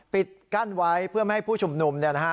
ปิดกั้นไว้เพื่อไม่ให้ผู้ชุมนุม